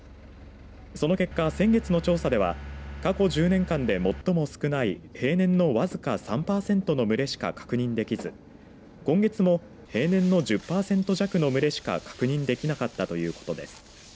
その結果、先月の調査では過去１０年間で最も少ない平年のわずか３パーセントの群れしか確認できず、今月も平年の１０パーセント弱の群れしか確認できなかったということです。